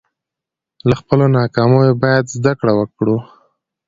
له خپلو ناکامیو باید زده کړه وکړو.